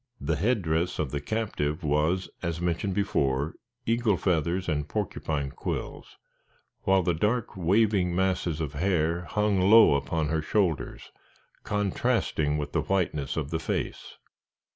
The headdress of the captive was, as mentioned before, eagle feathers and porcupine quills, while the dark, waving masses of hair hung low upon the shoulders, contrasting with the whiteness of the face.